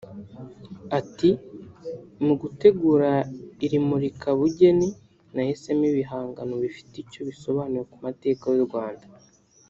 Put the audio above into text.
Ati « Mu gutegura iri Murika-Bugeni nahisemo ibihangano bifite icyo bisobanuye ku mateka y’u Rwanda